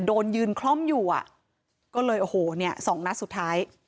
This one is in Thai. โดนยืนคล่อมอยู่อ่ะก็เลยโอ้โหเนี่ยสองนัดสุดท้าย